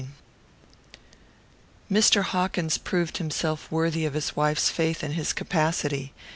X Mr. Hawkins proved himself worthy of his wife's faith in his capacity.